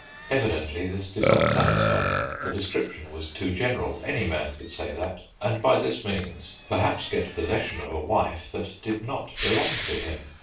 Evidently this did not satisfy them, the description was too general; any man could say that, and by this means perhaps get possession of a wife that did not belong to him.